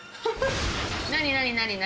何何？